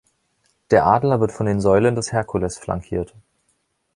Der Adler wird von den Säulen des Herkules flankiert.